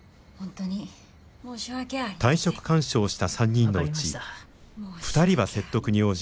退職勧奨をした３人のうち２人は説得に応じましたが。